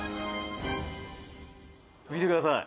見てください。